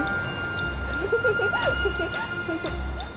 フフフフッ。